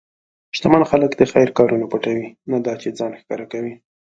شتمن خلک د خیر کارونه پټوي، نه دا چې ځان ښکاره کړي.